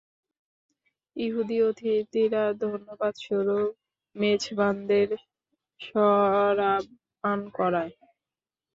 ইহুদী অতিথিরা ধন্যবাদস্বরূপ মেজবানদের শরাব পান করায়।